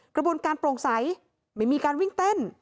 กระบวนการโปร่งใสไม่มีการวิ่งเต้น